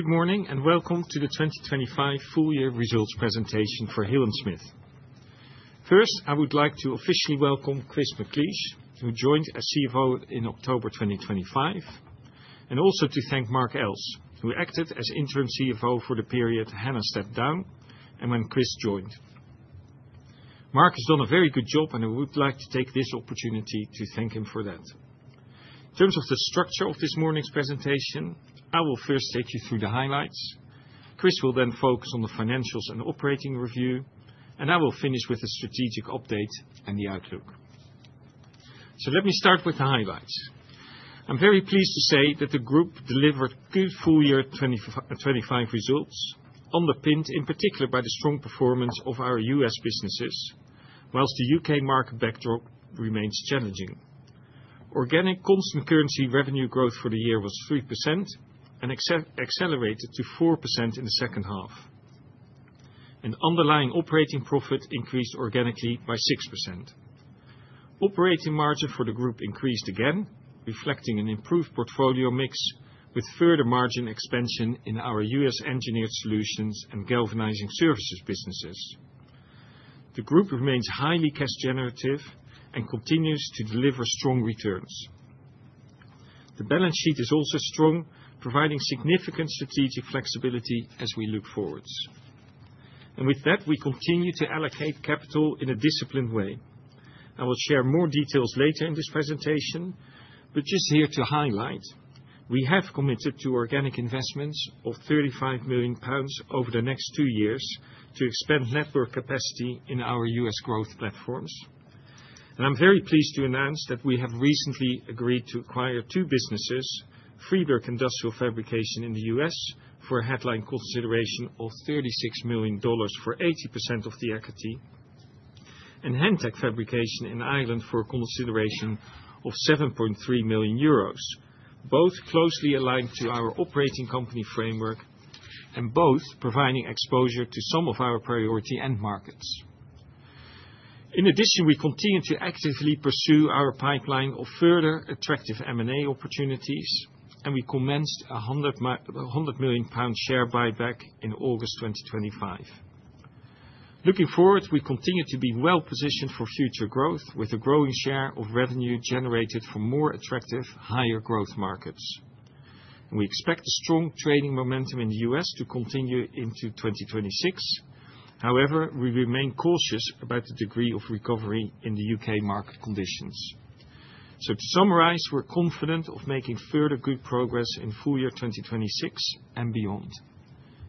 Good morning and welcome to the 2025 full year results presentation for Hill & Smith. First, I would like to officially welcome Chris McLeish, who joined as CFO in October 2025, and also to thank Mark Else, who acted as interim CFO for the period Hannah stepped down and when Chris joined. Mark has done a very good job, and I would like to take this opportunity to thank him for that. In terms of the structure of this morning's presentation, I will first take you through the highlights. Chris will then focus on the financials and operating review, and I will finish with a strategic update and the outlook. Let me start with the highlights. I'm very pleased to say that the group delivered good full year 2025 results underpinned in particular by the strong performance of our U.S. businesses, while the U.K. market backdrop remains challenging. Organic constant currency revenue growth for the year was 3% and accelerated to 4% in the H2. An underlying operating profit increased organically by 6%. Operating margin for the group increased again, reflecting an improved portfolio mix with further margin expansion in our US Engineered Solutions and galvanizing services businesses. The group remains highly cash generative and continues to deliver strong returns. The balance sheet is also strong, providing significant strategic flexibility as we look forward. With that, we continue to allocate capital in a disciplined way. I will share more details later in this presentation, but just here to highlight, we have committed to organic investments of 35 million pounds over the next two years to expand network capacity in our US growth platforms. I'm very pleased to announce that we have recently agreed to acquire two businesses, Freeberg Industrial Fabrication in the U.S. for a headline consideration of $36 million for 80% of the equity, and Hentech Fabrication in Ireland for a consideration of 7.3 million euros, both closely aligned to our operating company framework and both providing exposure to some of our priority end markets. In addition, we continue to actively pursue our pipeline of further attractive M&A opportunities, and we commenced a 100 million pound share buyback in August 2025. Looking forward, we continue to be well-positioned for future growth with a growing share of revenue generated from more attractive, higher growth markets. We expect a strong trading momentum in the U.S. to continue into 2026. However, we remain cautious about the degree of recovery in the U.K. market conditions. To summarize, we're confident of making further good progress in full year 2026 and beyond.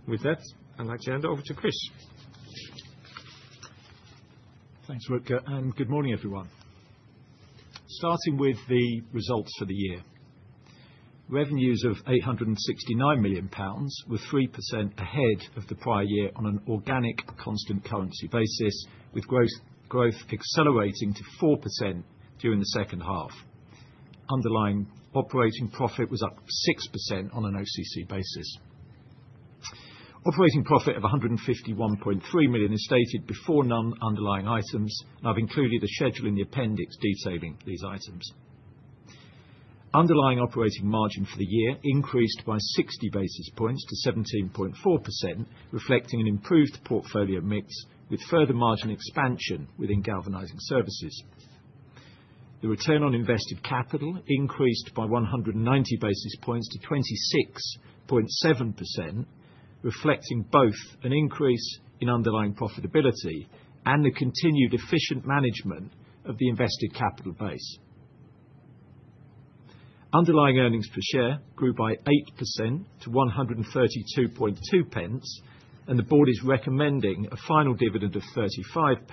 With that, I'd like to hand over to Chris. Thanks, Rutger, and good morning, everyone. Starting with the results for the year. Revenues of 869 million pounds were 3% ahead of the prior year on an organic constant currency basis, with growth accelerating to 4% during the H2. Underlying operating profit was up 6% on an OCC basis. Operating profit of 151.3 million is stated before non-underlying items, and I've included a schedule in the appendix detailing these items. Underlying operating margin for the year increased by 60 basis points to 17.4%, reflecting an improved portfolio mix with further margin expansion within galvanizing services. The return on invested capital increased by 190 basis points to 26.7%, reflecting both an increase in underlying profitability and the continued efficient management of the invested capital base. Underlying earnings per share grew by 8% to 1.322, and the board is recommending a final dividend of 0.35,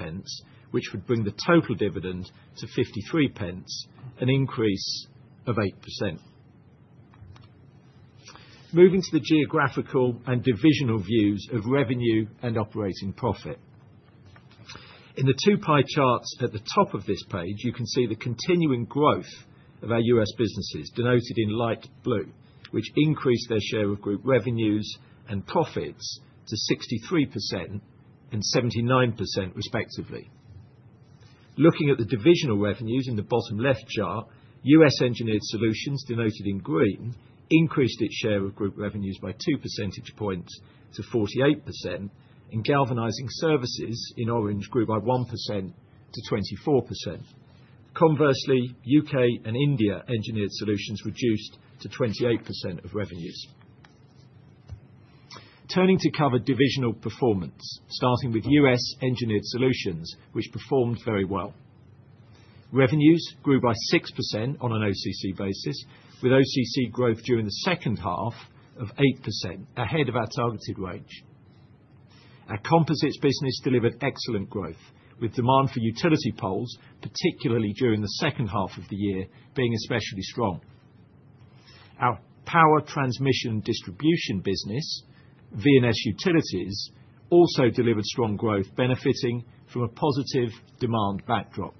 which would bring the total dividend to 0.53, an increase of 8%. Moving to the geographical and divisional views of revenue and operating profit. In the two pie charts at the top of this page, you can see the continuing growth of our U.S. businesses denoted in light blue, which increased their share of group revenues and profits to 63% and 79% respectively. Looking at the divisional revenues in the bottom left chart, U.S. Engineered Solutions denoted in green increased its share of group revenues by two percentage points to 48%, and Galvanizing Services in orange grew by 1% to 24%. Conversely, U.K. & India Engineered Solutions reduced to 28% of revenues. Turning to cover divisional performance, starting with US Engineered Solutions, which performed very well. Revenues grew by 6% on an OCC basis, with OCC growth during the H2 of 8% ahead of our targeted range. Our composites business delivered excellent growth with demand for utility poles, particularly during the H2 of the year being especially strong. Our power transmission and distribution business, V&S Utilities, also delivered strong growth benefiting from a positive demand backdrop.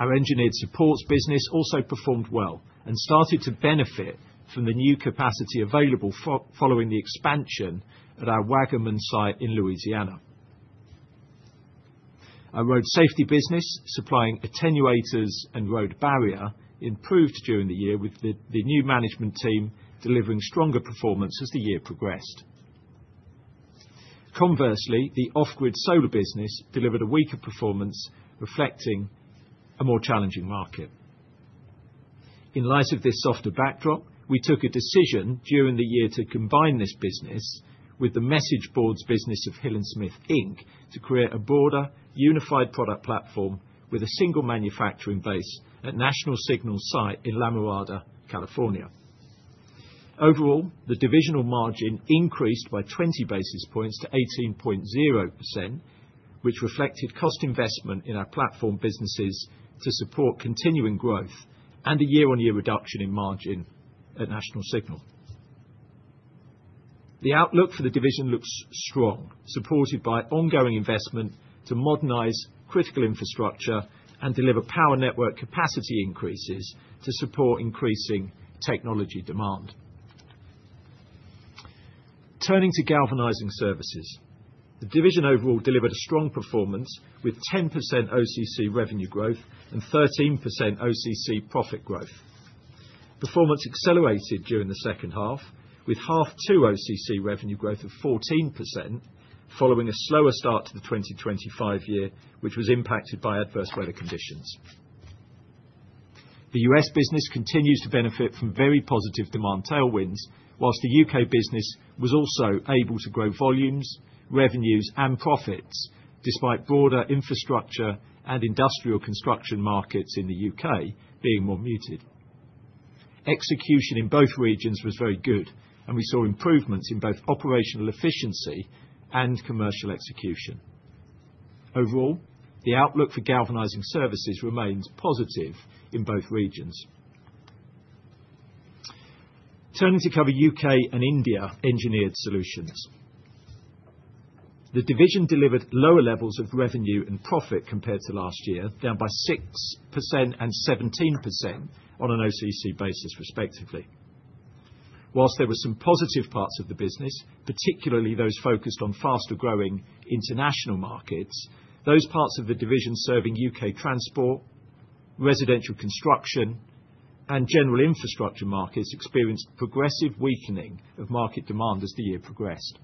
Our engineered supports business also performed well and started to benefit from the new capacity available following the expansion at our Waggaman site in Louisiana. Our road safety business supplying attenuators and road barrier improved during the year with the new management team delivering stronger performance as the year progressed. Conversely, the off-grid solar business delivered a weaker performance, reflecting a more challenging market. In light of this softer backdrop, we took a decision during the year to combine this business with the message boards business of Hill & Smith Inc. to create a broader, unified product platform with a single manufacturing base at National Signal's site in La Mirada, California. Overall, the divisional margin increased by 20 basis points to 18.0%, which reflected cost investment in our platform businesses to support continuing growth and a year-on-year reduction in margin at National Signal. The outlook for the division looks strong, supported by ongoing investment to modernize critical infrastructure and deliver power network capacity increases to support increasing technology demand. Turning to Galvanizing Services. The division overall delivered a strong performance with 10% OCC revenue growth and 13% OCC profit growth. Performance accelerated during the H2, with H2 OCC revenue growth of 14% following a slower start to the 2025 year, which was impacted by adverse weather conditions. The US business continues to benefit from very positive demand tailwinds, while the U.K. business was also able to grow volumes, revenues, and profits despite broader infrastructure and industrial construction markets in the U.K. being more muted. Execution in both regions was very good, and we saw improvements in both operational efficiency and commercial execution. Overall, the outlook for galvanizing services remains positive in both regions. Turning to U.K. & India Engineered Solutions. The division delivered lower levels of revenue and profit compared to last year, down by 6% and 17% on an OCC basis respectively. While there were some positive parts of the business, particularly those focused on faster-growing international markets, those parts of the division serving U.K. transport, residential construction, and general infrastructure markets experienced progressive weakening of market demand as the year progressed.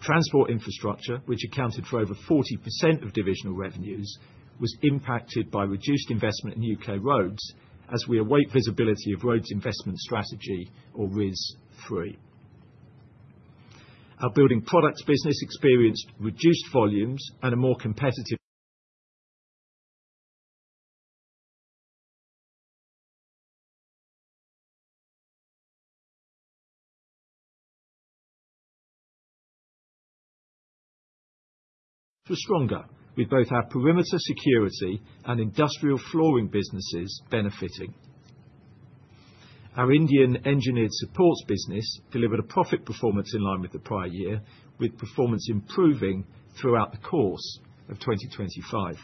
Transport infrastructure, which accounted for over 40% of divisional revenues, was impacted by reduced investment in U.K. roads as we await visibility of Road Investment Strategy, or RIS3. Our building products business experienced reduced volumes and was stronger with both our perimeter security and industrial flooring businesses benefiting. Our Indian engineered supports business delivered a profit performance in line with the prior year, with performance improving throughout the course of 2025.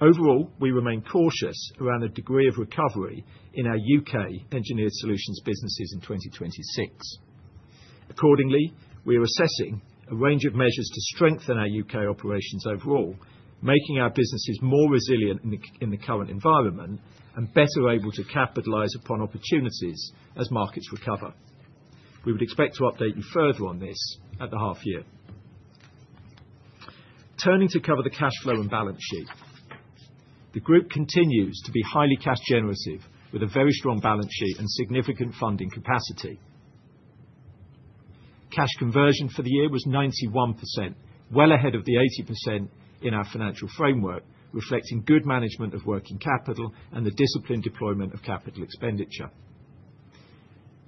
Overall, we remain cautious around the degree of recovery in our U.K. engineered solutions businesses in 2026. Accordingly, we are assessing a range of measures to strengthen our U.K. operations overall, making our businesses more resilient in the current environment and better able to capitalize upon opportunities as markets recover. We would expect to update you further on this at the half year. Turning to the cash flow and balance sheet. The group continues to be highly cash generative, with a very strong balance sheet and significant funding capacity. Cash conversion for the year was 91%, well ahead of the 80% in our financial framework, reflecting good management of working capital and the disciplined deployment of capital expenditure.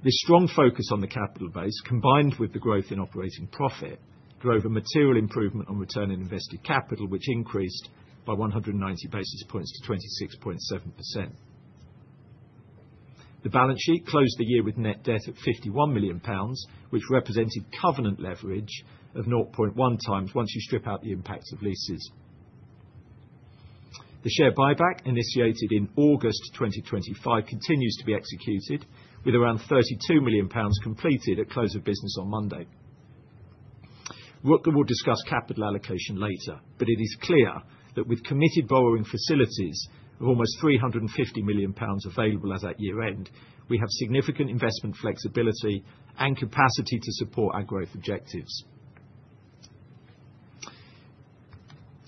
This strong focus on the capital base, combined with the growth in operating profit, drove a material improvement on return on invested capital, which increased by 190 basis points to 26.7%. The balance sheet closed the year with net debt at 51 million pounds, which represented covenant leverage of 0.1x once you strip out the impacts of leases. The share buyback initiated in August 2025 continues to be executed with around 32 million pounds completed at close of business on Monday. Rutger will discuss capital allocation later, but it is clear that with committed borrowing facilities of almost 350 million pounds available as at year-end, we have significant investment flexibility and capacity to support our growth objectives.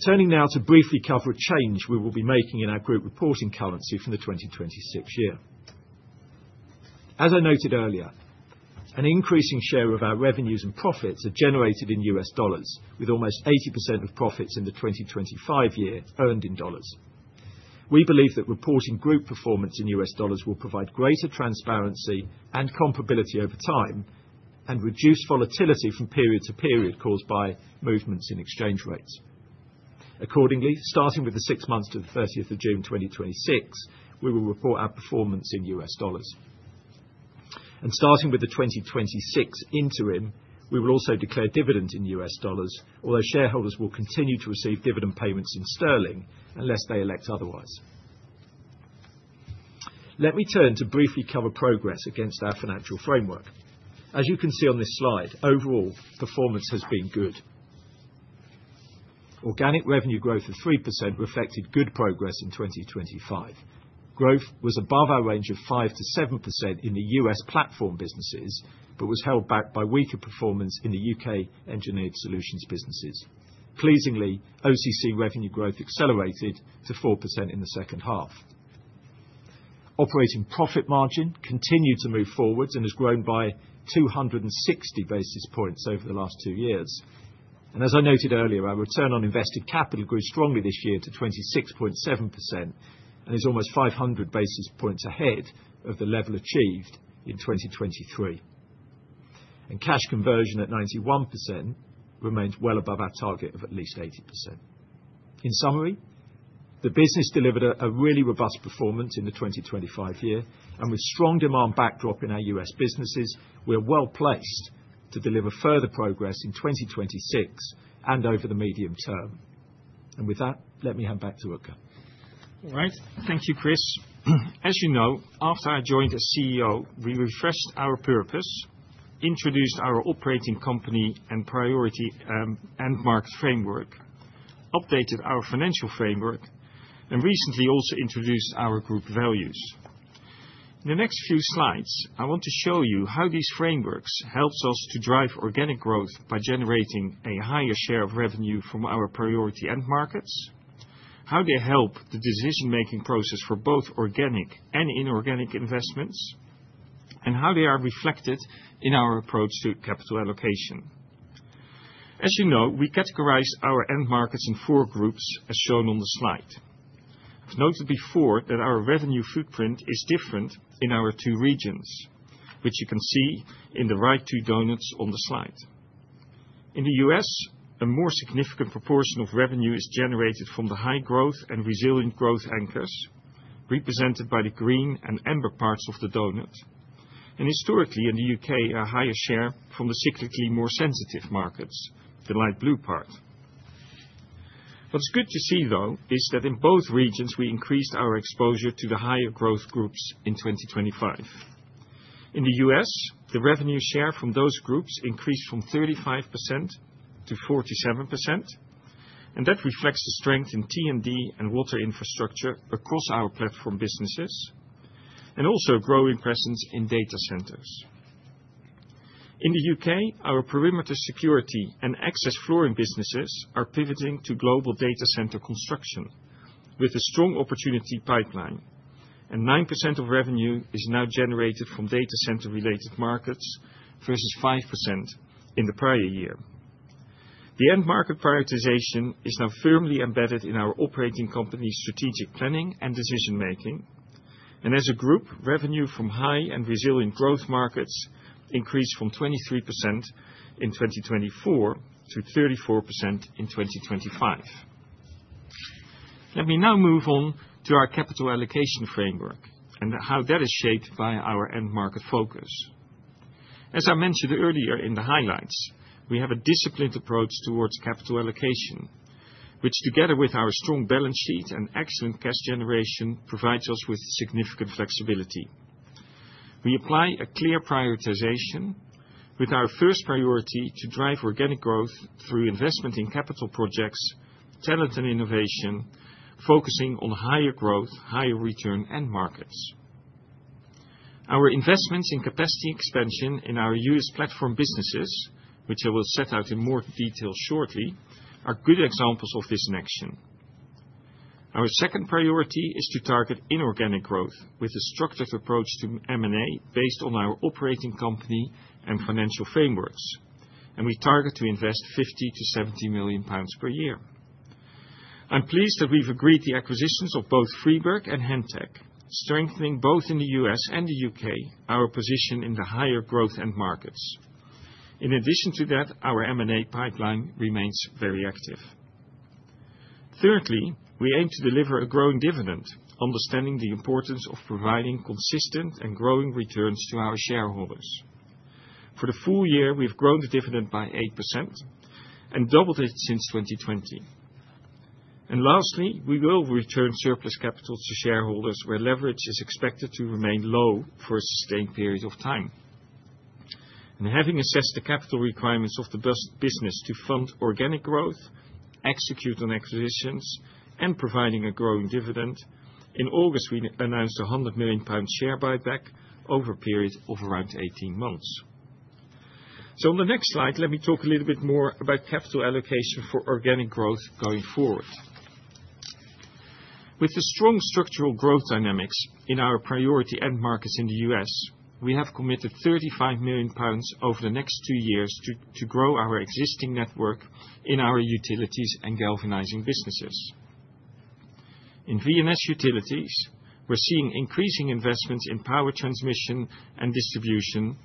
Turning now to briefly cover a change we will be making in our group reporting currency for the 2026 year. As I noted earlier, an increasing share of our revenues and profits are generated in US dollars, with almost 80% of profits in the 2025 year earned in dollars. We believe that reporting group performance in US dollars will provide greater transparency and comparability over time and reduce volatility from period to period caused by movements in exchange rates. Accordingly, starting with the six months to the 30 June, 2026, we will report our performance in US dollars. Starting with the 2026 interim, we will also declare dividends in US dollars, although shareholders will continue to receive dividend payments in sterling unless they elect otherwise. Let me turn to briefly cover progress against our financial framework. As you can see on this slide, overall, performance has been good. Organic revenue growth of 3% reflected good progress in 2025. Growth was above our range of 5%-7% in the US platform businesses, but was held back by weaker performance in the U.K. engineered solutions businesses. Pleasingly, OCC revenue growth accelerated to 4% in the H2. Operating profit margin continued to move forward and has grown by 260 basis points over the last two years. As I noted earlier, our return on invested capital grew strongly this year to 26.7% and is almost 500 basis points ahead of the level achieved in 2023. Cash conversion at 91% remains well above our target of at least 80%. In summary, the business delivered a really robust performance in the 2025 year, and with strong demand backdrop in our U.S. businesses, we're well-placed to deliver further progress in 2026 and over the medium term. With that, let me hand back to Rutger. All right. Thank you, Chris. As you know, after I joined as CEO, we refreshed our purpose, introduced our operating company and priority end market framework, updated our financial framework, and recently also introduced our group values. In the next few slides, I want to show you how these frameworks helps us to drive organic growth by generating a higher share of revenue from our priority end markets, how they help the decision-making process for both organic and inorganic investments, and how they are reflected in our approach to capital allocation. As you know, we categorize our end markets in four groups, as shown on the slide. I've noted before that our revenue footprint is different in our two regions, which you can see in the right two donuts on the slide. In the U.S., a more significant proportion of revenue is generated from the high growth and resilient growth anchors represented by the green and amber parts of the donut. Historically, in the U.K., a higher share from the cyclically more sensitive markets, the light blue part. What's good to see, though, is that in both regions, we increased our exposure to the higher growth groups in 2025. In the U.S., the revenue share from those groups increased from 35%-47%, and that reflects the strength in T&D and water infrastructure across our platform businesses and also a growing presence in data centers. In the U.K., our perimeter security and access flooring businesses are pivoting to global data center construction with a strong opportunity pipeline, and 9% of revenue is now generated from data center-related markets versus 5% in the prior year. The end market prioritization is now firmly embedded in our operating company's strategic planning and decision-making, and as a group, revenue from high and resilient growth markets increased from 23% in 2024-34% in 2025. Let me now move on to our capital allocation framework and how that is shaped by our end market focus. As I mentioned earlier in the highlights, we have a disciplined approach towards capital allocation, which together with our strong balance sheet and excellent cash generation, provides us with significant flexibility. We apply a clear prioritization with our first priority to drive organic growth through investment in capital projects, talent, and innovation, focusing on higher growth, higher return end markets. Our investments in capacity expansion in our U.S. platform businesses, which I will set out in more detail shortly, are good examples of this in action. Our second priority is to target inorganic growth with a structured approach to M&A based on our operating company and financial frameworks, and we target to invest 50 million-70 million pounds per year. I'm pleased that we've agreed the acquisitions of both Freeburg and Hentech, strengthening both in the U.S. and the U.K., our position in the higher growth end markets. In addition to that, our M&A pipeline remains very active. Thirdly, we aim to deliver a growing dividend, understanding the importance of providing consistent and growing returns to our shareholders. For the full year, we've grown the dividend by 8% and doubled it since 2020. Lastly, we will return surplus capital to shareholders, where leverage is expected to remain low for a sustained period of time. Having assessed the capital requirements of the business to fund organic growth, execute on acquisitions, and providing a growing dividend, in August, we announced 100 million pound share buyback over a period of around 18 months. On the next slide, let me talk a little bit more about capital allocation for organic growth going forward. With the strong structural growth dynamics in our priority end markets in the U.S., we have committed 35 million pounds over the next two years to grow our existing network in our utilities and galvanizing businesses. In V&S Utilities, we're seeing increasing investments in power transmission and distribution,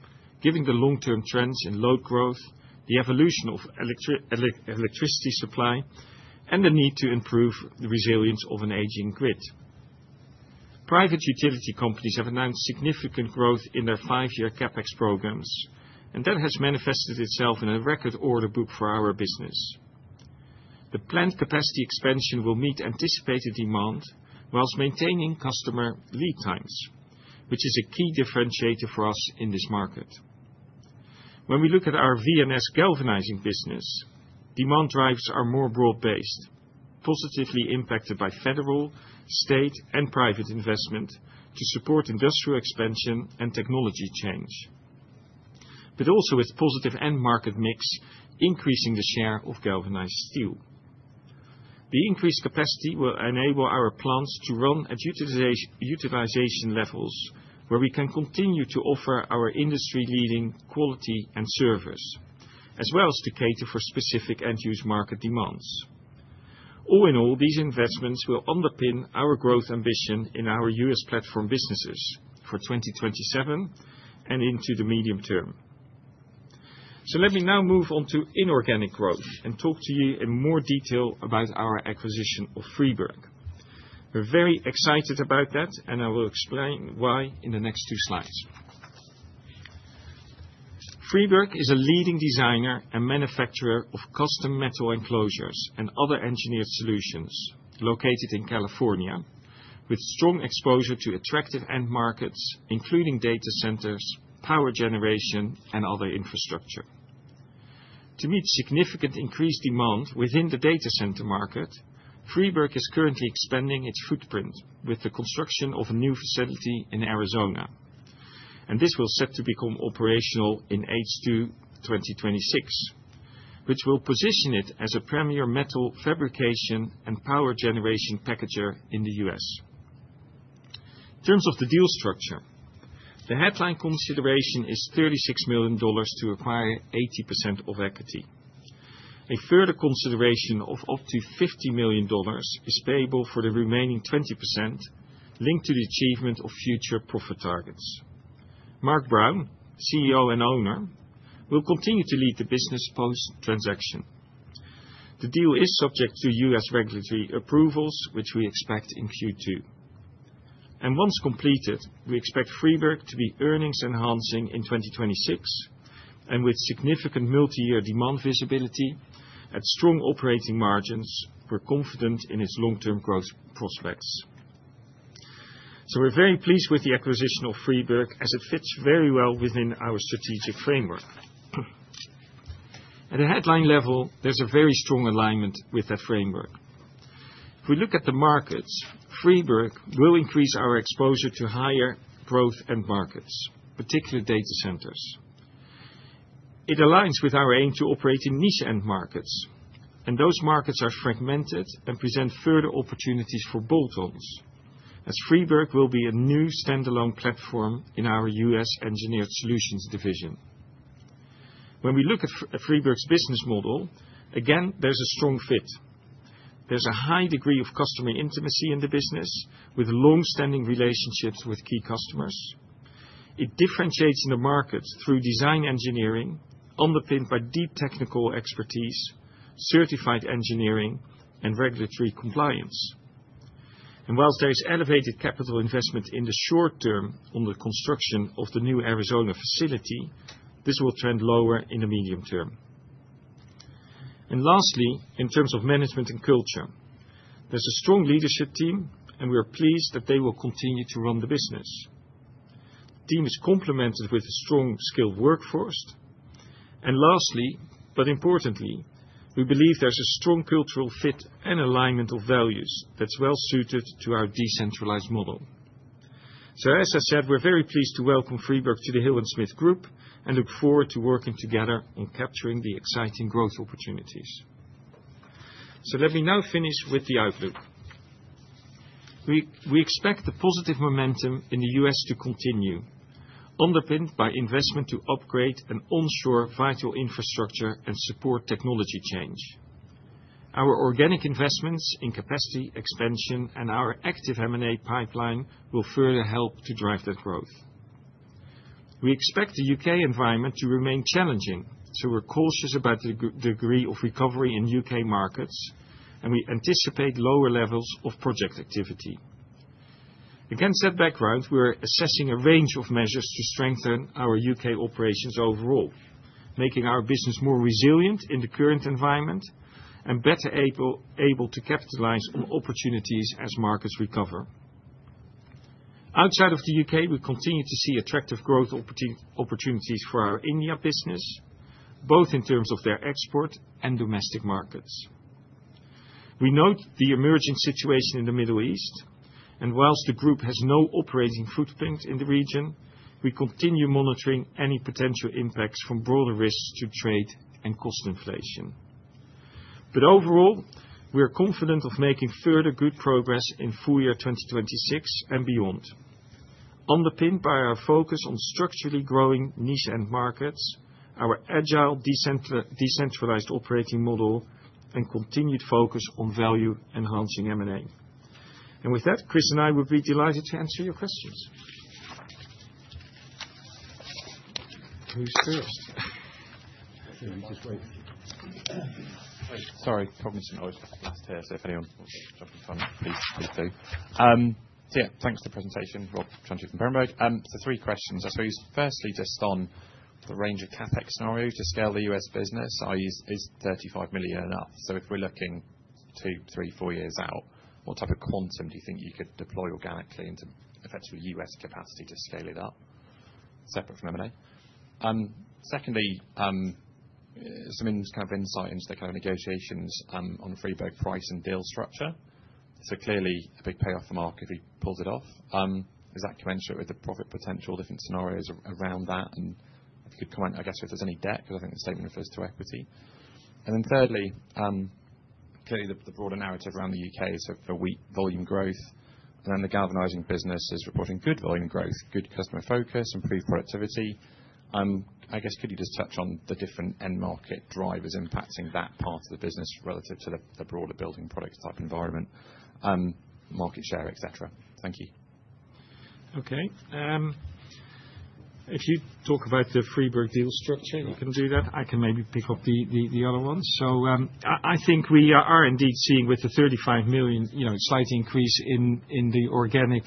given the long-term trends in load growth, the evolution of electricity supply, and the need to improve the resilience of an aging grid. Private utility companies have announced significant growth in their five-year CapEx programs, and that has manifested itself in a record order book for our business. The plant capacity expansion will meet anticipated demand while maintaining customer lead times, which is a key differentiator for us in this market. When we look at our VNS galvanizing business, demand drives are more broad-based, positively impacted by federal, state, and private investment to support industrial expansion and technology change. Also with positive end market mix, increasing the share of galvanized steel. The increased capacity will enable our plants to run at utilization levels, where we can continue to offer our industry-leading quality and service, as well as to cater for specific end-use market demands. All in all, these investments will underpin our growth ambition in our U.S. platform businesses for 2027 and into the medium term. Let me now move on to inorganic growth and talk to you in more detail about our acquisition of Freeberg. We're very excited about that, and I will explain why in the next two slides. Freeberg is a leading designer and manufacturer of custom metal enclosures and other engineered solutions located in California, with strong exposure to attractive end markets, including data centers, power generation, and other infrastructure. To meet significant increased demand within the data center market, Freeberg is currently expanding its footprint with the construction of a new facility in Arizona, and this will set to become operational in H2 2026, which will position it as a premier metal fabrication and power generation packager in the U.S.. In terms of the deal structure, the headline consideration is $36 million to acquire 80% of equity. A further consideration of up to $50 million is payable for the remaining 20% linked to the achievement of future profit targets. Mark Brown, CEO and owner, will continue to lead the business post-transaction. The deal is subject to U.S. regulatory approvals, which we expect in Q2. Once completed, we expect Freeburg to be earnings enhancing in 2026 and with significant multi-year demand visibility. With strong operating margins, we're confident in its long-term growth prospects. We're very pleased with the acquisition of Freeburg as it fits very well within our strategic framework. At a headline level, there's a very strong alignment with that framework. If we look at the markets, Freeburg will increase our exposure to higher growth end markets, particularly data centers. It aligns with our aim to operate in niche end markets, and those markets are fragmented and present further opportunities for add-ons, as Freeburg will be a new standalone platform in our US Engineered Solutions division. When we look at Freeburg's business model, again, there's a strong fit. There's a high degree of customer intimacy in the business with long-standing relationships with key customers. It differentiates in the market through design engineering, underpinned by deep technical expertise, certified engineering, and regulatory compliance. While there is elevated capital investment in the short term on the construction of the new Arizona facility, this will trend lower in the medium term. Lastly, in terms of management and culture, there's a strong leadership team, and we are pleased that they will continue to run the business. The team is complemented with a strong skilled workforce. Lastly, but importantly, we believe there's a strong cultural fit and alignment of values that's well suited to our decentralized model. As I said, we're very pleased to welcome Freeburg to the Hill & Smith Group and look forward to working together in capturing the exciting growth opportunities. Let me now finish with the outlook. We expect the positive momentum in the U.S. to continue, underpinned by investment to upgrade and onshore vital infrastructure and support technology change. Our organic investments in capacity expansion and our active M&A pipeline will further help to drive that growth. We expect the U.K. environment to remain challenging, so we're cautious about the degree of recovery in U.K. markets, and we anticipate lower levels of project activity. Against that background, we're assessing a range of measures to strengthen our U.K. operations overall, making our business more resilient in the current environment and better able to capitalize on opportunities as markets recover. Outside of the U.K., we continue to see attractive growth opportunities for our India business, both in terms of their export and domestic markets. We note the emerging situation in the Middle East, and while the group has no operating footprint in the region, we continue monitoring any potential impacts from broader risks to trade and cost inflation. Overall, we are confident of making further good progress in full year 2026 and beyond, underpinned by our focus on structurally growing niche end markets, our agile decentralized operating model, and continued focus on value enhancing M&A. With that, Chris and I would be delighted to answer your questions. Who's first? Maybe just wait. Sorry, Last here, if anyone wants a chunk of time, please do. Yeah, thanks for the presentation, Rob Tramontano from Berenberg. Three questions. I suppose firstly, just on the range of CapEx scenario to scale the U.S. business, i.e. isGBP 35 million enough? If we're looking two years, three years, four years out, what type of quantum do you think you could deploy organically into effective U.S. capacity to scale it up, separate from M&A? Secondly, some kind of insight into the kind of negotiations on the Freeburg price and deal structure. Clearly a big payoff for Mark if he pulls it off. Is that commensurate with the profit potential, different scenarios around that? If you could comment, I guess, if there's any debt, because I think the statement refers to equity. Then thirdly, clearly the broader narrative around the U.K. is of a weak volume growth, and then the galvanizing business is reporting good volume growth, good customer focus, improved productivity. I guess, could you just touch on the different end market drivers impacting that part of the business relative to the broader building product type environment, market share, et cetera? Thank you. Okay. If you talk about the Freeburg deal structure, you can do that. I can maybe pick up the other ones. I think we are indeed seeing with the 35 million, you know, slight increase in the organic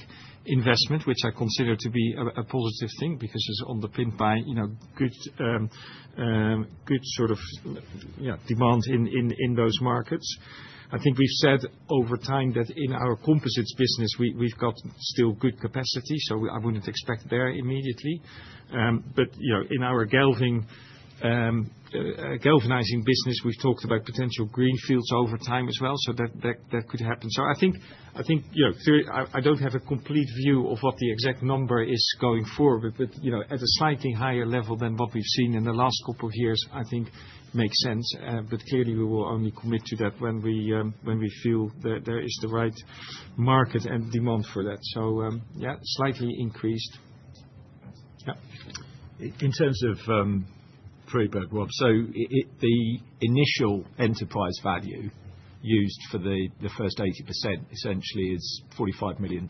investment, which I consider to be a positive thing because it's underpinned by, you know, good sort of, you know, demand in those markets. I think we've said over time that in our composites business, we've got still good capacity, so I wouldn't expect there immediately. But, you know, in our galvanizing business, we've talked about potential greenfields over time as well, so that could happen. I think you know I don't have a complete view of what the exact number is going forward, but you know at a slightly higher level than what we've seen in the last couple of years, I think makes sense. Clearly, we will only commit to that when we feel there is the right market and demand for that. Yeah, slightly increased. Yeah. In terms of Freeburg, Rob. It, the initial enterprise value used for the first 80% essentially is $45 million,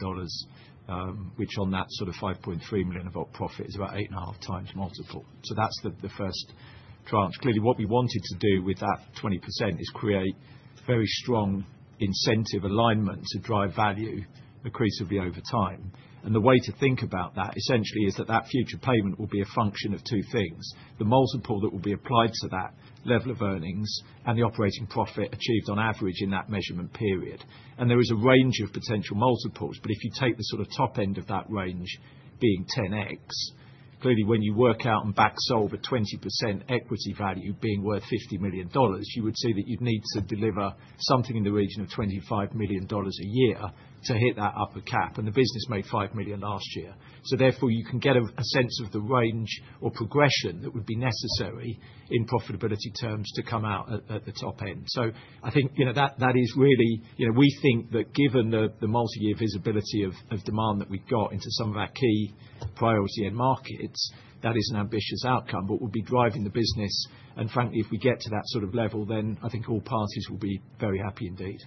which on that sort of $5.3 million of EBIT profit is about 8.5x multiple. That's the first tranche. Clearly, what we wanted to do with that 20% is create very strong incentive alignment to drive value accretively over time. The way to think about that essentially is that that future payment will be a function of two things, the multiple that will be applied to that level of earnings and the operating profit achieved on average in that measurement period. There is a range of potential multiples. If you take the sort of top end of that range being 10x, clearly when you work out and back solve a 20% equity value being worth $50 million, you would see that you'd need to deliver something in the region of $25 million a year to hit that upper cap. The business made $5 million last year. Therefore, you can get a sense of the range or progression that would be necessary in profitability terms to come out at the top end. I think, you know, that is really, you know, we think that given the multi-year visibility of demand that we've got into some of our key priority end markets, that is an ambitious outcome, but we'll be driving the business. Frankly, if we get to that sort of level, then I think all parties will be very happy indeed.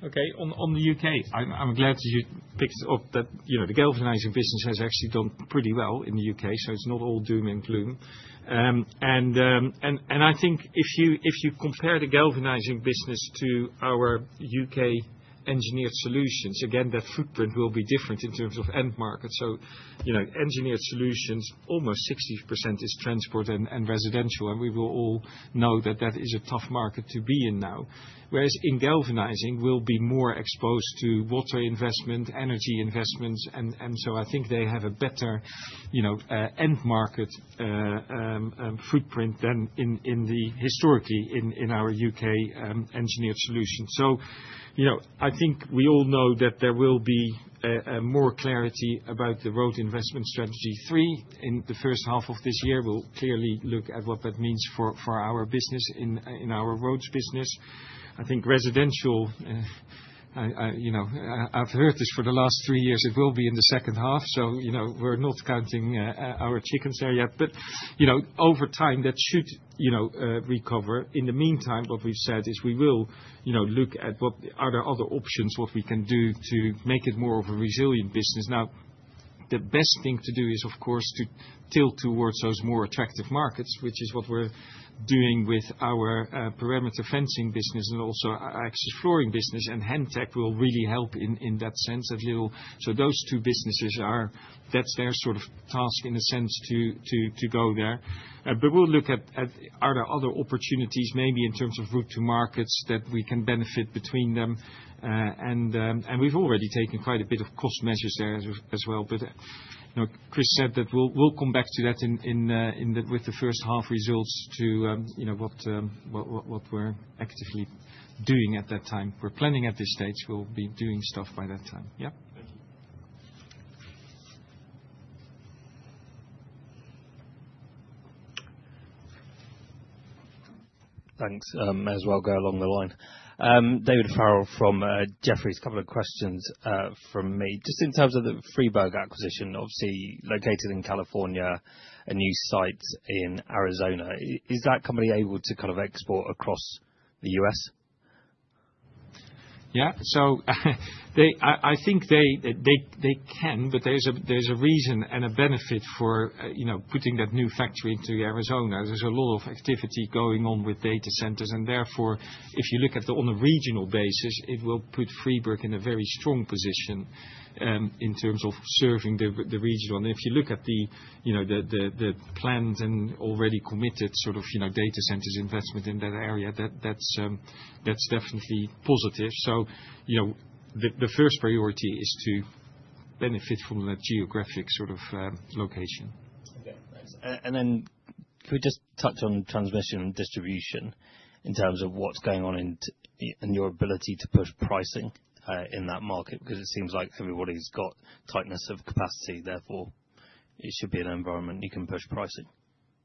Thank you. Okay. On the U.K., I'm glad that you picked up that, you know, the galvanizing business has actually done pretty well in the U.K., so it's not all doom and gloom. I think if you compare the galvanizing business to our U.K. Engineered Solutions, again, the footprint will be different in terms of end market. You know, engineered solutions, almost 60% is transport and residential, and we will all know that that is a tough market to be in now. Whereas in galvanizing, we'll be more exposed to water investment, energy investments, and so I think they have a better, you know, end market footprint than historically in our U.K. Engineered Solutions. You know, I think we all know that there will be more clarity about the Road Investment Strategy 3 in the H1 of this year. We'll clearly look at what that means for our business in our roads business. I think residential, you know, I've heard this for the last three years, it will be in the H2. You know, we're not counting our chickens there yet. You know, over time, that should, you know, recover. In the meantime, what we've said is we will, you know, look at what are there other options, what we can do to make it more of a resilient business. Now, the best thing to do is, of course, to tilt towards those more attractive markets, which is what we're doing with our perimeter fencing business and also our access flooring business. Hentech will really help in that sense. Those two businesses, that's their sort of task in a sense to go there. We'll look at whether there are other opportunities maybe in terms of route to markets that we can benefit between them. We've already taken quite a bit of cost measures there as well. You know, Chris said that we'll come back to that in the H1 results to you know what we're actively doing at that time. We're planning at this stage, we'll be doing stuff by that time. Yeah. Thank you. Thanks. May as well go along the line. David Farrell from Jefferies. Couple of questions from me. Just in terms of the Freeburg acquisition, obviously located in California, a new site in Arizona. Is that company able to kind of export across the U.S.? I think they can, but there's a reason and a benefit for you know, putting that new factory into Arizona. There's a lot of activity going on with data centers, and therefore, if you look at on a regional basis, it will put Freeburg in a very strong position in terms of serving the region. If you look at you know, the plans and already committed sort of you know, data centers investment in that area, that's definitely positive. You know, the first priority is to benefit from that geographic sort of location. Okay, thanks. Can we just touch on transmission and distribution in terms of what's going on in your ability to push pricing in that market? Because it seems like everybody's got tightness of capacity, therefore it should be an environment you can push pricing.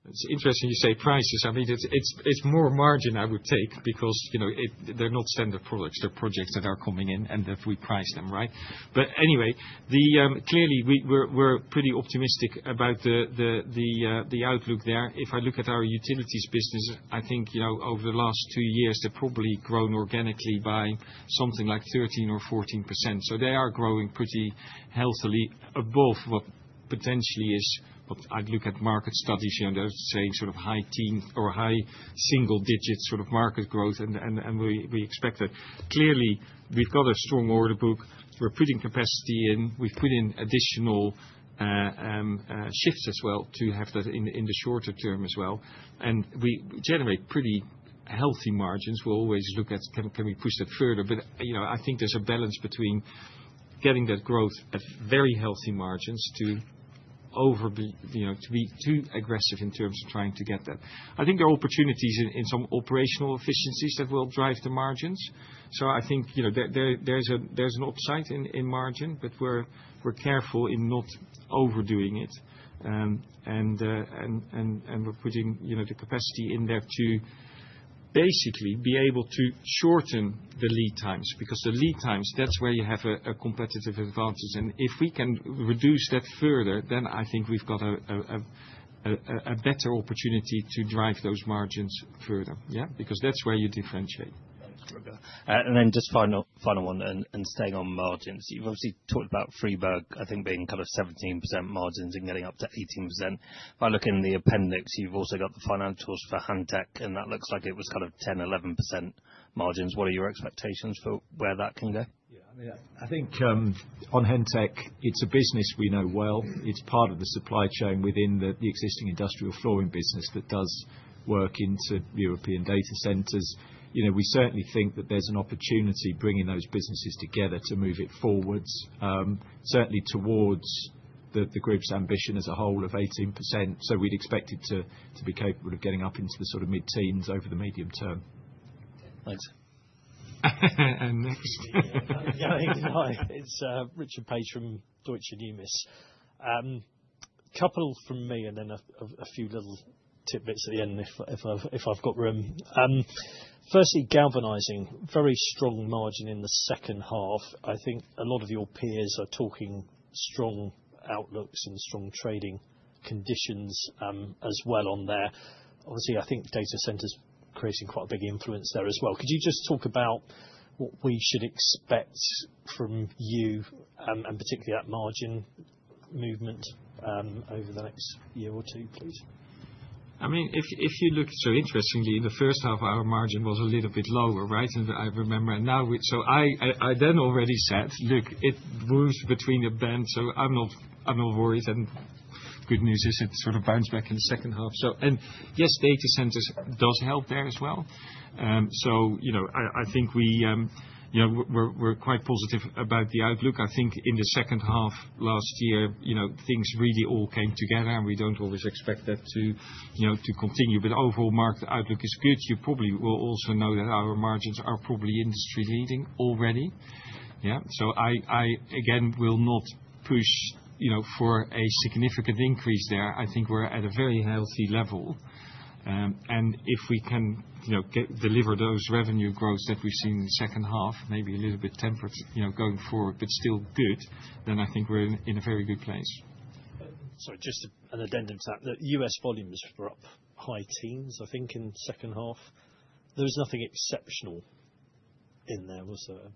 It's interesting you say prices. I mean, it's more margin I would take because, you know, they're not standard products. They're projects that are coming in, and if we price them right. But anyway, clearly, we're pretty optimistic about the outlook there. If I look at our utilities business, I think, you know, over the last two years, they've probably grown organically by something like 13% or 14%. So they are growing pretty healthily above what potentially is. What I'd look at market studies and they're saying sort of high teens or high single digits percentages sort of market growth and we expect that. Clearly, we've got a strong order book. We're putting capacity in. We've put in additional shifts as well to have that in the shorter term as well. We generate pretty healthy margins. We'll always look at can we push that further? You know, I think there's a balance between getting that growth at very healthy margins, you know, to be too aggressive in terms of trying to get that. I think there are opportunities in some operational efficiencies that will drive the margins. I think, you know, there's an upside in margin, but we're careful in not overdoing it. We're putting, you know, the capacity in there to basically be able to shorten the lead times, because the lead times, that's where you have a competitive advantage. If we can reduce that further, then I think we've got a better opportunity to drive those margins further, yeah? Because that's where you differentiate. Thanks, Rutger. Just final one, staying on margins. You've obviously talked about Freeburg, I think, being kind of 17% margins and getting up to 18%. If I look in the appendix, you've also got the financials for Hentec, and that looks like it was kind of 10%-11% margins. What are your expectations for where that can go? Yeah. I mean, I think, on Hentech, it's a business we know well. It's part of the supply chain within the existing industrial flooring business that does work into European data centers. You know, we certainly think that there's an opportunity bringing those businesses together to move it forward, certainly towards the group's ambition as a whole of 18%. We'd expect it to be capable of getting up into the sort of mid-teens% over the medium term. Thanks. Next. Hi, it's Richard Paige from Deutsche Numis. Couple from me and then a few little tidbits at the end if I've got room. Firstly, galvanizing, very strong margin in the H2. I think a lot of your peers are talking strong outlooks and strong trading conditions, as well on there. Obviously, I think data centers creating quite a big influence there as well. Could you just talk about what we should expect from you, and particularly at margin movement, over the next year or two years, please? I mean, if you look, interestingly, in the H1, our margin was a little bit lower, right? I remember. I then already said, "Look, it moves between the bands, so I'm not worried." Good news is it sort of bounced back in the H2. Yes, data centers does help there as well. You know, I think we, you know, we're quite positive about the outlook. I think in the H2 last year, you know, things really all came together, and we don't always expect that to, you know, to continue. The overall market outlook is good. You probably will also know that our margins are probably industry leading already. Yeah. I again will not push, you know, for a significant increase there. I think we're at a very healthy level. If we can, you know, get, deliver those revenue growths that we've seen in the H2, maybe a little bit tempered, you know, going forward, but still good, then I think we're in a very good place. Sorry, just an addendum to that. The U.S. volumes were up high teens, I think, in the H2. There was nothing exceptional in there, was there?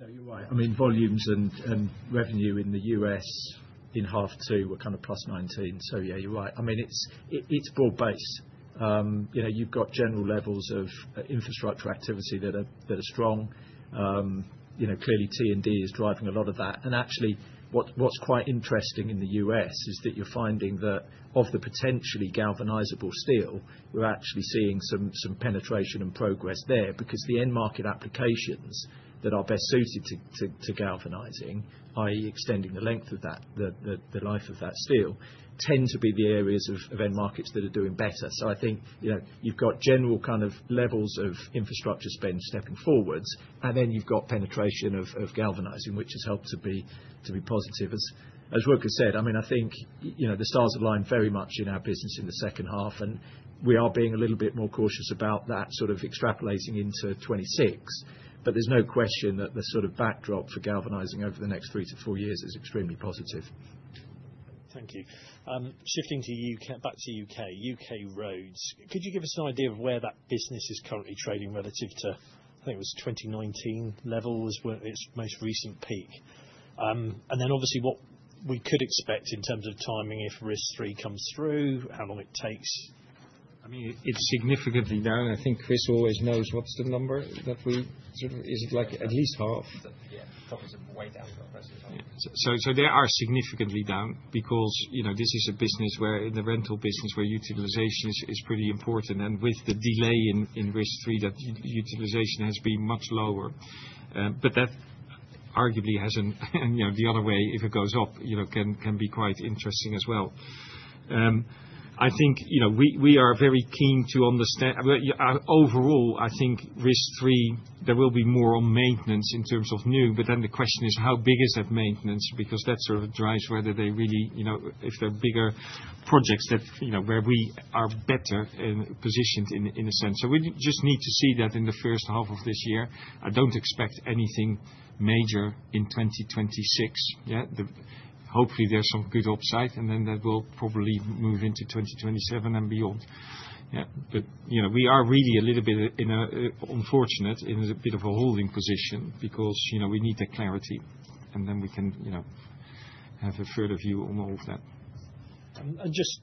No, you're right. I mean, volumes and revenue in the U.S. in H2 were kind of +19%. Yeah, you're right. I mean, it's broad-based. You know, you've got general levels of infrastructure activity that are strong. You know, clearly T&D is driving a lot of that. Actually, what's quite interesting in the U.S. is that you're finding that of the potentially galvanizable steel, we're actually seeing some penetration and progress there because the end market applications that are best suited to galvanizing, i.e., extending the length of the life of that steel, tend to be the areas of end markets that are doing better. I think, you know, you've got general kind of levels of infrastructure spend stepping forwards, and then you've got penetration of galvanizing, which has helped to be positive. As Rutger said, I mean, I think, you know, the stars align very much in our business in the H2, and we are being a little bit more cautious about that sort of extrapolating into 2026. There's no question that the sort of backdrop for galvanizing over the next three to four years is extremely positive. Thank you. Shifting to U.K., back to U.K.. U.K. roads, could you give us an idea of where that business is currently trading relative to, I think it was 2019 levels, weren't it? Its most recent peak. Obviously what we could expect in terms of timing if RIS3 comes through, how long it takes. I mean, it's significantly down. I think Chris always knows what's the number that we sort of. Is it like at least 1/2? Yeah. It's obviously way down from a rest of the. They are significantly down because, you know, this is a business where, in the rental business, where utilization is pretty important. With the delay in RIS3, that utilization has been much lower. That arguably hasn't and, you know, the other way, if it goes up, you know, can be quite interesting as well. I think, you know, we are very keen to understand. Yeah, overall, I think RIS3, there will be more on maintenance in terms of new, but then the question is how big is that maintenance? Because that sort of drives whether they really, you know, if they're bigger projects that, you know, where we are better positioned in a sense. We just need to see that in the first half of this year. I don't expect anything major in 2026. Yeah. Hopefully there's some good upside, and then that will probably move into 2027 and beyond. Yeah. You know, we are really a little bit in a unfortunate in a bit of a holding position because, you know, we need the clarity, and then we can, you know, have a further view on all of that. Just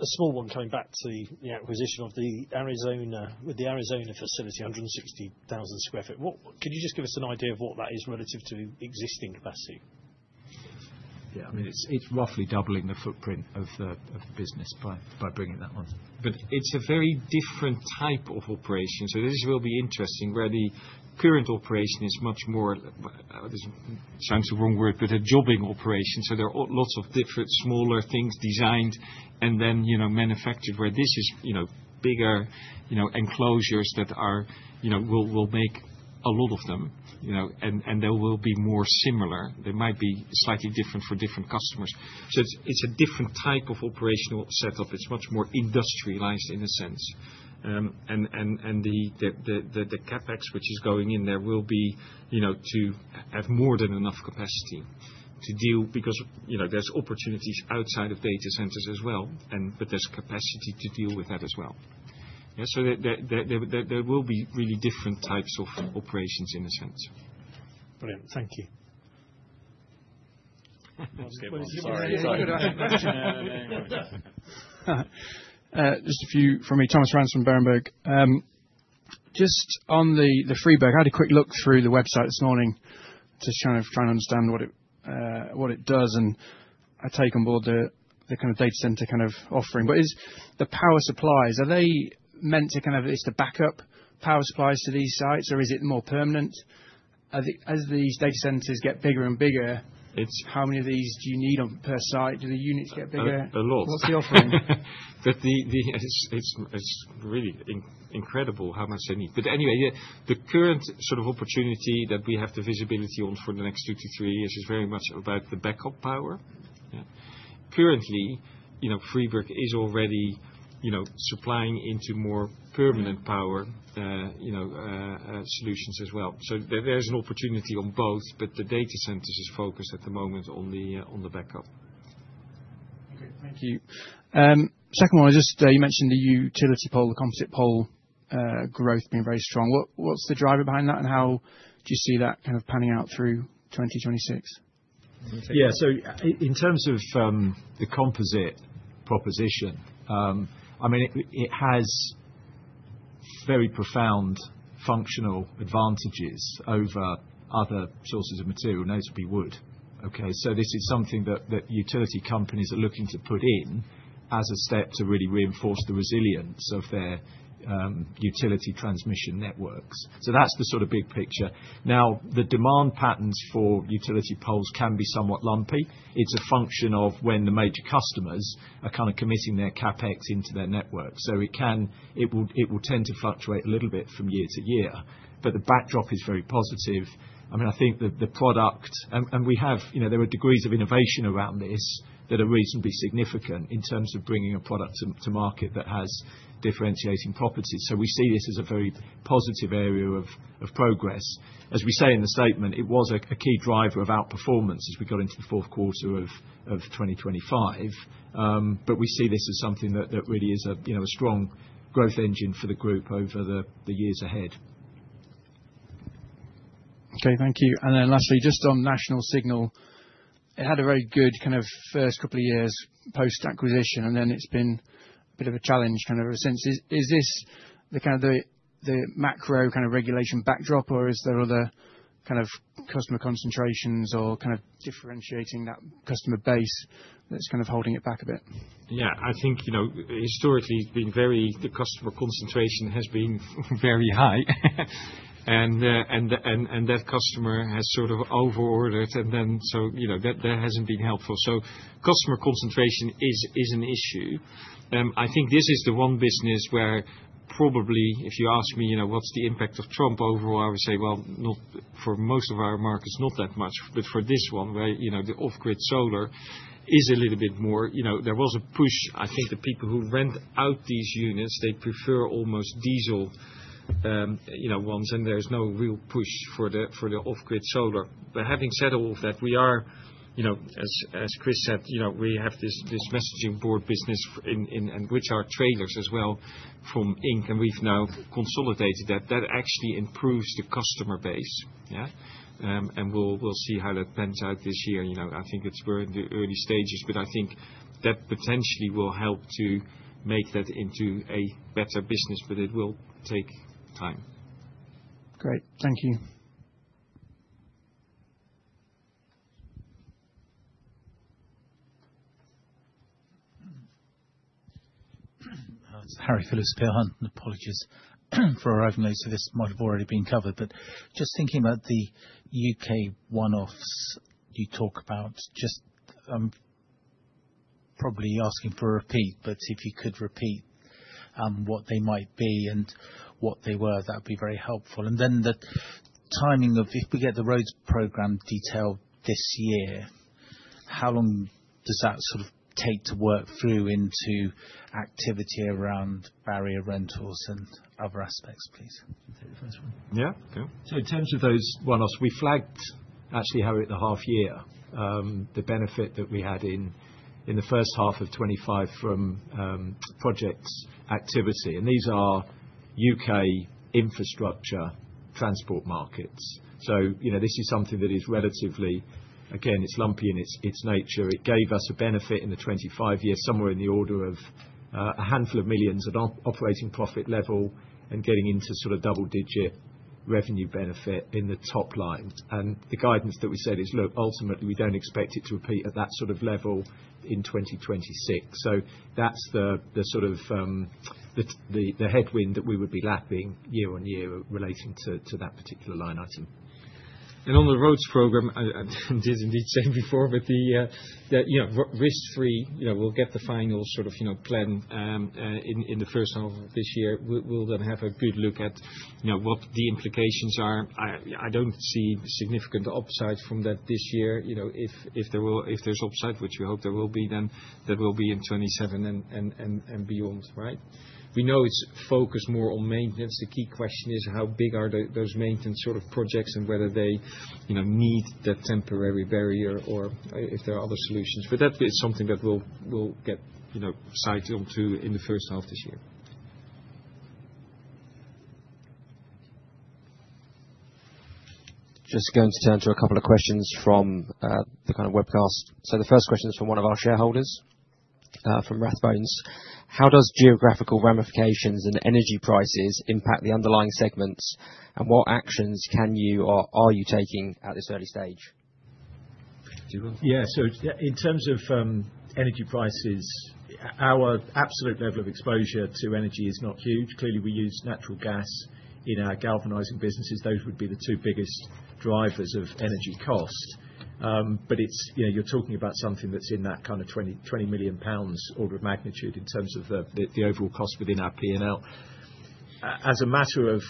a small one coming back to the, you know, acquisition of the Arizona. With the Arizona facility, 160,000 sq ft, can you just give us an idea of what that is relative to existing capacity? Yeah. I mean, it's roughly doubling the footprint of the business by bringing that one. It's a very different type of operation, so this will be interesting. Where the current operation is much more, this sounds the wrong word, but a jobbing operation. There are lots of different smaller things designed and then, you know, manufactured. Where this is, you know, bigger, you know, enclosures that are, you know, we'll make a lot of them, you know. And they will be more similar. They might be slightly different for different customers. It's a different type of operational setup. It's much more industrialized in a sense. And the CapEx which is going in there will be, you know, to have more than enough capacity to deal because, you know, there's opportunities outside of data centers as well and but there's capacity to deal with that as well. Yeah. There will be really different types of operations in a sense. Brilliant. Thank you. Sorry. Just a few from me. Thomas Rands from Berenberg. Just on the Freeburg, I had a quick look through the website this morning, just trying to understand what it does, and I take on board the kind of data center kind of offering. Is the power supplies, are they meant to kind of as to back up power supplies to these sites, or is it more permanent? As these data centers get bigger and bigger. It's- How many of these do you need, one per site? Do the units get bigger? A lot. What's the offering? It's really incredible how much they need. Anyway, yeah, the current sort of opportunity that we have the visibility on for the next two to three years is very much about the backup power. Yeah. Currently, you know, Freeburg is already, you know, supplying into more permanent power. Yeah You know, solutions as well. There's an opportunity on both, but the data center is just focused at the moment on the backup. Okay. Thank you. Second one, I just, you mentioned the utility pole, the composite pole, growth being very strong. What's the driver behind that, and how do you see that kind of panning out through 2026? You wanna take that? Yeah. In terms of the composite pole, I mean, it has very profound functional advantages over other sources of material, notably wood. Okay. This is something that utility companies are looking to put in as a step to really reinforce the resilience of their utility transmission networks. That's the sort of big picture. Now, the demand patterns for utility poles can be somewhat lumpy. It's a function of when the major customers are kind of committing their CapEx into their network. It will tend to fluctuate a little bit from year to year, but the backdrop is very positive. I mean, I think the product. We have, you know, there are degrees of innovation around this that are reasonably significant in terms of bringing a product to market that has differentiating properties. We see this as a very positive area of progress. As we say in the statement, it was a key driver of outperformance as we got into the Q4 of 2025. We see this as something that really is a you know a strong growth engine for the group over the years ahead. Okay. Thank you. Lastly, just on National Signal, it had a very good kind of first couple of years post-acquisition, and then it's been a bit of a challenge, kind of ever since. Is this the kind of macro regulatory backdrop, or is there other kind of customer concentrations or kind of diversifying that customer base that's kind of holding it back a bit? Yeah. I think, you know, historically, it's been very. The customer concentration has been very high. and that customer has sort of over-ordered, and then, so, you know, that hasn't been helpful. Customer concentration is an issue. I think this is the one business where probably if you ask me, you know, "What's the impact of Trump overall?" I would say, "Well, not for most of our markets, not that much." For this one, where, you know, the off-grid solar is a little bit more, you know, there was a push. I think the people who rent out these units, they prefer almost diesel, you know, ones, and there's no real push for the off-grid solar. Having said all of that, we are, you know, as Chris said, you know, we have this message board business in which our trailers as well from Inc., and we've now consolidated that. That actually improves the customer base. Yeah. We'll see how that pans out this year. You know, I think it's very early stages, but I think that potentially will help to make that into a better business, but it will take time. Great. Thank you. It's Harry Philips, Peel Hunt. Apologies for arriving late, so this might have already been covered. Just thinking about the U.K. one-offs you talk about, just, probably asking for a repeat, but if you could repeat what they might be and what they were, that'd be very helpful. Then the timing of if we get the roads program detailed this year, how long does that sort of take to work through into activity around barrier rentals and other aspects, please? Take the first one. Yeah, okay. In terms of those one-offs, we flagged, actually, Harry, at the 1/2 year, the benefit that we had in the H1 of 2025 from projects activity, and these are U.K. infrastructure transport markets. You know, this is something that is relatively, again, it's lumpy in its nature. It gave us a benefit in the 2025 year, somewhere in the order of a handful of millions at operating profit level and getting into sort of double-digit revenue benefit in the top line. The guidance that we set is, look, ultimately, we don't expect it to repeat at that sort of level in 2026. That's the sort of headwind that we would be lapping year on year relating to that particular line item. On the roads program, I did indeed say before, but the, you know, risk free, you know, we'll get the final sort of, you know, plan in the first half of this year. We'll then have a good look at, you know, what the implications are. I don't see significant upside from that this year. You know, if there's upside, which we hope there will be, then that will be in 2027 and beyond, right? We know it's focused more on maintenance. The key question is how big are those maintenance sort of projects and whether they, you know, need that temporary barrier or if there are other solutions. That is something that we'll get, you know, sight onto in the first half of this year. Just going to turn to a couple of questions from the kind of webcast. The first question is from one of our shareholders from Rathbones. How does geopolitical ramifications and energy prices impact the underlying segments, and what actions can you or are you taking at this early stage? Do you want to- In terms of energy prices, our absolute level of exposure to energy is not huge. Clearly, we use natural gas in our galvanizing businesses. Those would be the two biggest drivers of energy cost. You know, you're talking about something that's in that kind of 20 million pounds order of magnitude in terms of the overall cost within our P&L. As a matter of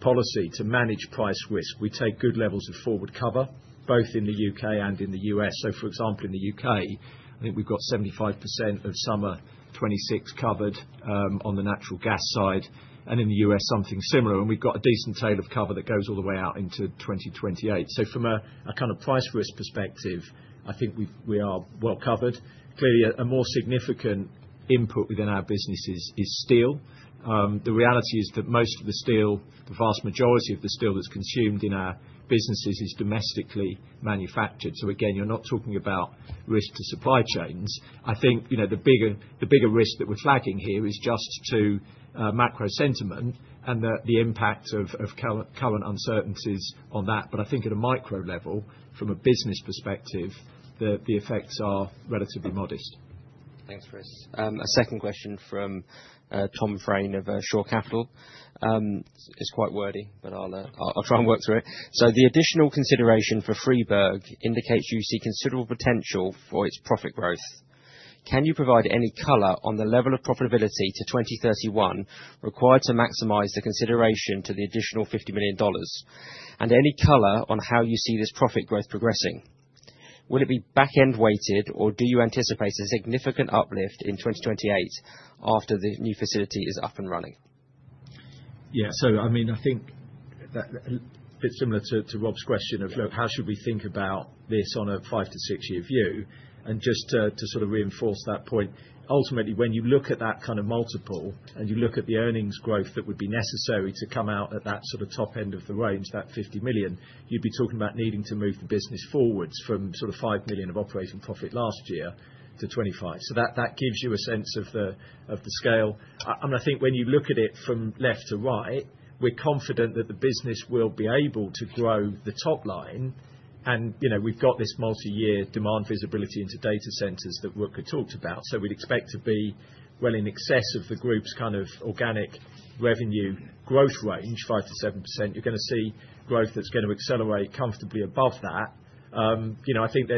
policy to manage price risk, we take good levels of forward cover, both in the U.K. and in the U.S. For example, in the U.K., I think we've got 75% of summer 2026 covered on the natural gas side, and in the U.S., something similar. We've got a decent tail of cover that goes all the way out into 2028. From a kind of price risk perspective, I think we are well covered. Clearly, a more significant input within our businesses is steel. The reality is that most of the steel, the vast majority of the steel that's consumed in our businesses is domestically manufactured. Again, you're not talking about risk to supply chains. I think, you know, the bigger risk that we're flagging here is just the macro sentiment and the impact of current uncertainties on that. I think at a micro level, from a business perspective, the effects are relatively modest. Thanks, Chris. A second question from Tom Fraine of Shore Capital. It's quite wordy, but I'll try and work through it. The additional consideration for Freeburg indicates you see considerable potential for its profit growth. Can you provide any color on the level of profitability to 2031 required to maximize the consideration to the additional $50 million? And any color on how you see this profit growth progressing? Would it be back-end weighted, or do you anticipate a significant uplift in 2028 after the new facility is up and running? Yeah. I mean, I think that a bit similar to Rob's question of, look, how should we think about this on a five year-six year view? Just to sort of reinforce that point, ultimately, when you look at that kind of multiple and you look at the earnings growth that would be necessary to come out at that sort of top end of the range, that 50 million, you'd be talking about needing to move the business forward from sort of 5 million of operating profit last year to 25 million. That gives you a sense of the scale. I think when you look at it from left to right, we're confident that the business will be able to grow the top line. You know, we've got this multi-year demand visibility into data centers that Rutger talked about. We'd expect to be well in excess of the group's kind of organic revenue growth range, 5%-7%. You're gonna see growth that's gonna accelerate comfortably above that. You know, I think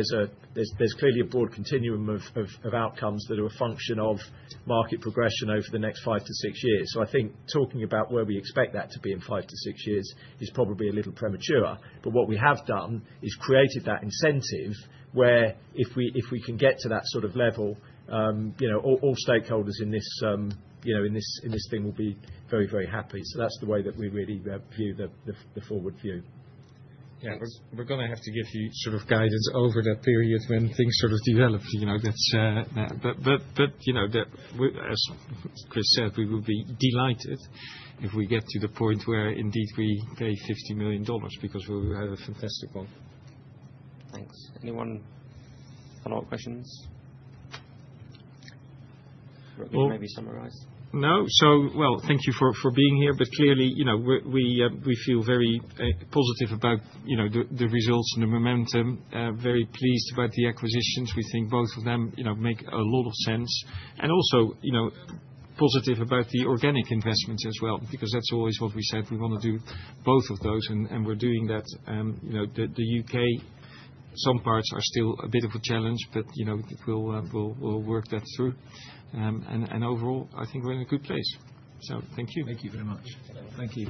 there's clearly a broad continuum of outcomes that are a function of market progression over the next five years-six years. I think talking about where we expect that to be in five years-six years is probably a little premature. What we have done is created that incentive where if we can get to that sort of level, you know, all stakeholders in this thing will be very happy. That's the way that we really view the forward view. Yeah. We're gonna have to give you sort of guidance over that period when things sort of develop, you know. You know, as Chris said, we will be delighted if we get to the point where indeed we pay $50 million because we will have a fantastic bond. Thanks. Any follow-up questions? Rutger, maybe summarize. Well, thank you for being here. Clearly, you know, we feel very positive about, you know, the results and the momentum. Very pleased about the acquisitions. We think both of them, you know, make a lot of sense. Also, you know, positive about the organic investments as well, because that's always what we said we wanna do both of those, and we're doing that. You know, the U.K., some parts are still a bit of a challenge, but, you know, we'll work that through. Overall, I think we're in a good place. Thank you. Thank you very much. Thank you.